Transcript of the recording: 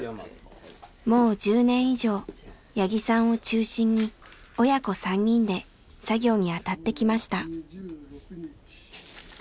もう１０年以上八木さんを中心に親子３人で作業に当たってきました。